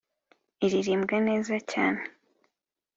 iririmbwa neza cyane.